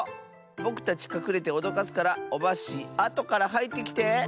ぼくたちかくれておどかすからオバッシーあとからはいってきて！